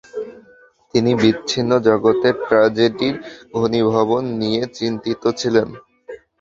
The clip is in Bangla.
তিনি বিচ্ছিন্ন জগতে ট্র্যাজেডির ঘনীভবন নিয়ে চিন্তিত ছিলেন।